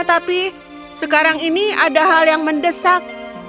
tapi sekarang ini ada hal yang mendesak